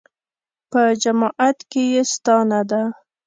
په جماعت کې یې ستانه ده.